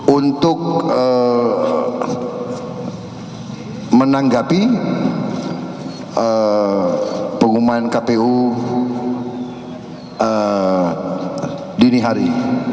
untuk menanggapi pengumuman kpu dini hari